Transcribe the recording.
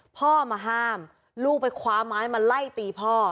พ่อมาห้ามลูกไปคว้าไม้มาไล่ตีพ่อ